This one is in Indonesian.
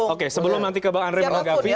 oke sebelum nanti kebak andre menganggapi